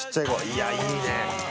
いや、いいね。